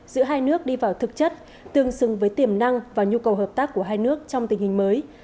giữa hai nước đi vào thực chất tương xứng với tiềm năng và nhu cầu hợp tác của hai nước trong tình hình mới